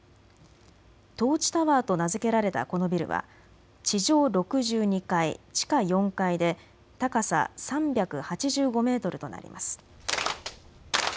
トーチタワーと名付けられたこのビルは地上６２階、地下４階で高さ３８５メートルとなります。